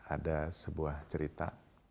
ada sebuah cerita